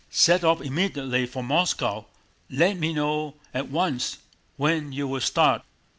Set off immediately for Moscow. Let me know at once when you will start.